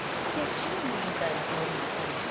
シナモンみたいな香りもしたんですけど。